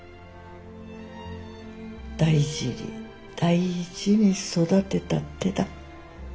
大事に大事に育てた手だ。